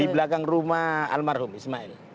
di belakang rumah almarhum ismail